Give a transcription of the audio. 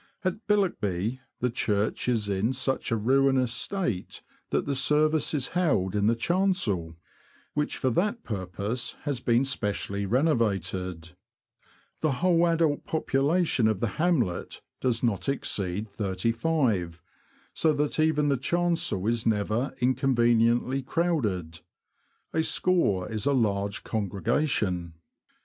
At Billockby, the church is in such a ruinous state that the service is held in the chancel, which for that purpose has been specially The Landing Stage at Ormsby Broad, renovated. The whole adult population of the hamlet does not exceed thirty five, so that even the chancel is never inconveniently crowded : a score is a large congregation.